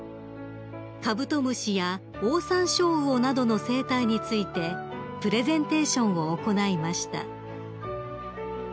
［カブトムシやオオサンショウウオなどの生態についてプレゼンテーションを行いました］